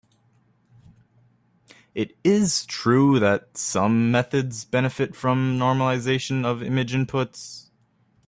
It is true that some methods benefit from normalization of image inputs.